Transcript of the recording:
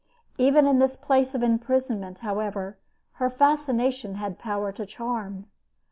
Even in this place of imprisonment, however, her fascination had power to charm.